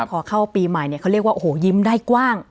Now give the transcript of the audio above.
พอเข้าปีใหม่เนี่ยเขาเรียกว่าโอ้โหยิ้มได้กว้าง